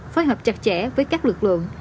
phối hợp chặt chẽ với các lực lượng